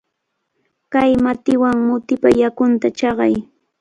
Kay matiwan mutipa yakunta chaqay.